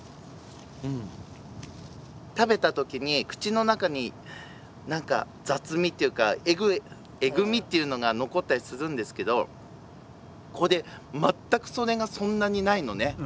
食べた時に口の中に雑味っていうかえぐみっていうのが残ったりするんですけどこれ全くそれがそんなにないのね。